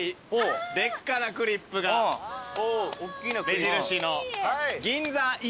目印の。